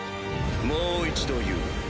もう一度言う。